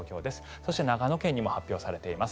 そして長野県にも発表されています。